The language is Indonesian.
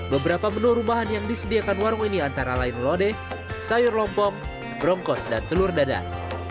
beberapa menu rumahan yang disediakan warung ini antara lain lodeh sayur lompong bronkos dan telur dadar